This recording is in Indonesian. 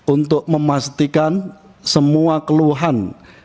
untuk memastikan semua keluhan